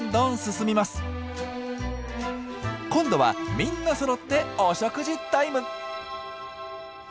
今度はみんなそろってお食事タイム。